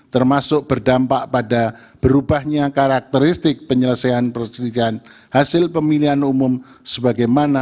halaman delapan belas sembilan belas dianggap telah dibacakan